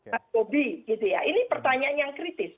pak gobi gitu ya ini pertanyaan yang kritis